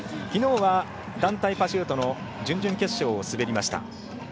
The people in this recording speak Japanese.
きのうは団体パシュートの準々決勝を滑りました。